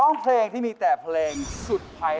ร้องเพลงที่มีแม่งเพลงสุดไภร้อง